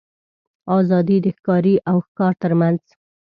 آزادي د ښکاري او ښکار تر منځ.